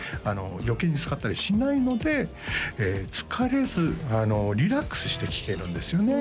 余計に使ったりしないので疲れずリラックスして聴けるんですよね